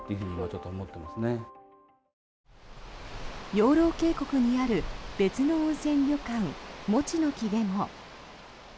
養老渓谷にある別の温泉旅館、もちの木でも。